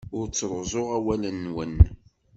Ur ttruẓuɣ awal-nwen.